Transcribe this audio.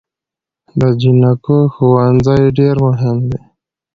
د جینکو ښوونځي ډیر مهم دی